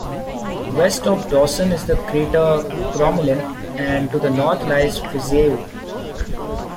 West of Dawson is the crater Crommelin, and to the north lies Fizeau.